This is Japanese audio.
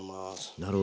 なるほど。